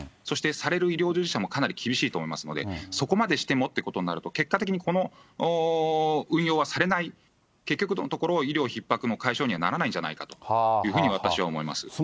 そして、される医療従事者もかなり厳しいと思いますので、そこまでしてもってことになると、結果的に、この運用はされない、結局のところ、医療ひっ迫の解消にはならないんじゃないかというふうに私は思います。